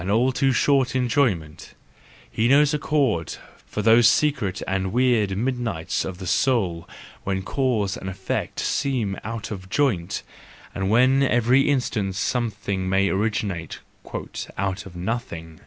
all too short enjoyment; he knows a chord for those secret and weird midnights of the soul when cause and effect seem out of joint, and when every instant something may originate "out of nothing."